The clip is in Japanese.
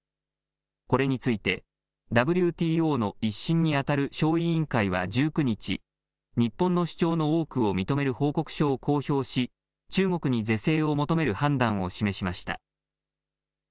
これについてＷＴＯの１審にあたる小委員会は１９日、日本の主張の多くを認める報告書を公表し中国に是正を求める判断を示しました。